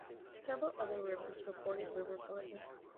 Several other rivers reported river flooding.